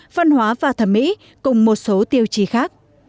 văn hóa và thẩm mỹ cùng một số tiêu chí khác